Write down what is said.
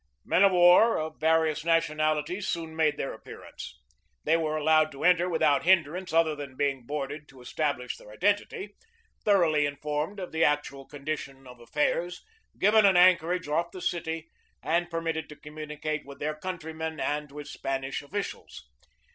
Men of war of various nationalities soon made their appearance. They were allowed to enter with out hindrance other than being boarded to establish their identity, thoroughly informed of the actual conditions of affairs, given an anchorage off the city, and permitted to communicate with their country men and with the Spanish officials.